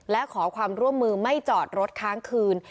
และขอความร่วมมือไม่จอดรถค้างคืน